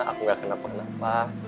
aku gak kenapa kenapa